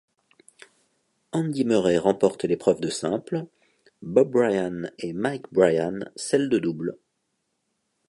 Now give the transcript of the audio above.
Andy Murray remporte l'épreuve de simple, Bob Bryan et Mike Bryan celle de double.